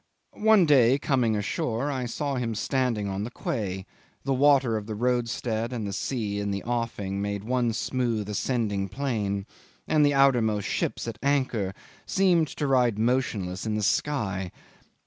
One day, coming ashore, I saw him standing on the quay; the water of the roadstead and the sea in the offing made one smooth ascending plane, and the outermost ships at anchor seemed to ride motionless in the sky.